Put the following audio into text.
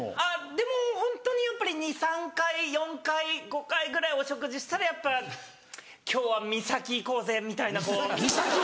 でもホントにやっぱり２３回４回５回ぐらいお食事したらやっぱ今日は岬行こうぜ！みたいな。